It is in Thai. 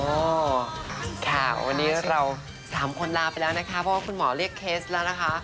ค่ะวันนี้เราสามคนลาไปแล้วนะคะเพราะว่าคุณหมอเรียกเคสแล้วนะคะ